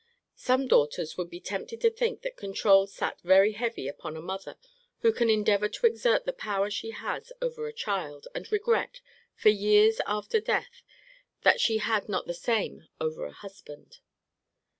Some daughters would be tempted to think that controul sat very heavy upon a mother, who can endeavour to exert the power she has over a child, and regret, for years after death, that she had not the same over a husband.